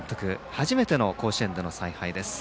初めての甲子園での采配です。